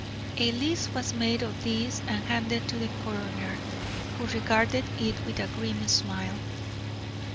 A list was made of these and handed to the coroner, who regarded it with a grim smile.